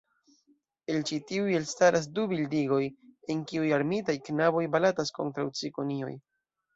El ĉi tiuj elstaras du bildigoj, en kiuj armitaj knaboj batalas kontraŭ cikonioj.